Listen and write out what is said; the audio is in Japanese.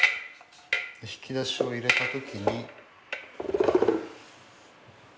引き出しを入れた時に。